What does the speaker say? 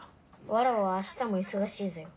わらわは明日も忙しいぞよ。